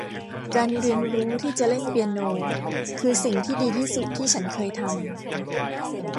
การเรียนรู้ที่จะเล่นเปียโน คือสิ่งที่ดีที่สุดที่ฉันเคยทำ